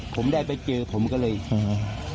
ผมได้ไปเจอผมก็เลยอ่า